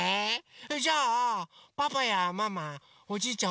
それじゃあパパやママおじいちゃん